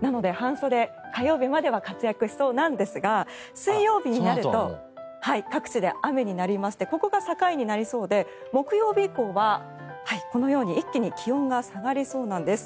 なので、半袖、火曜日までは活躍しそうなんですが水曜日になると各地で雨になりましてここが境になりそうで木曜日以降はこのように一気に気温が下がりそうなんです。